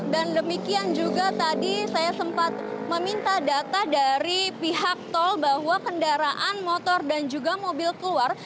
dan demikian juga tadi saya sempat meminta data dari pihak tol bahwa kendaraan motor dan juga mobil keluar